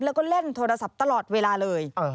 แล้วก็เล่นโทรศัพท์ตลอดเวลาเลย